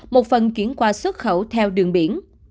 một phần chuyển qua xuất khẩu theo đường biển